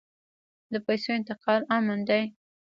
د پیسو انتقال امن دی؟